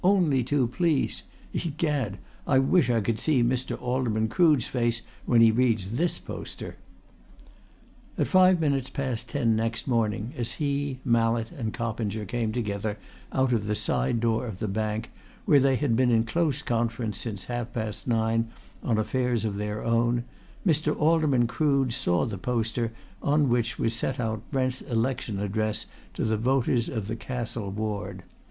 "Only too pleased. Egad! I wish I could see Mr. Alderman Crood's face when he reads this poster!" At five minutes past ten next morning, as he, Mallett and Coppinger came together out of the side door of the bank, where they had been in close conference since half past nine, on affairs of their own, Mr. Alderman Crood saw the poster on which was set out Brent's election address to the voters of the Castle Ward.